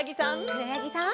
くろやぎさん。